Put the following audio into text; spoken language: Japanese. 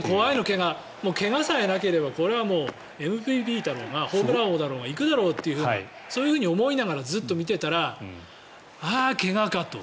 怪我さえなければこれはもうＭＶＰだろうがホームラン王だろうが行くだろうとそういうふうに思いながらずっと見ていたらああ、怪我かと。